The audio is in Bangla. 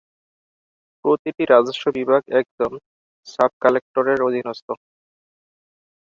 প্রতিটি রাজস্ব বিভাগ একজন সাব-কালেকটরের অধীনস্থ।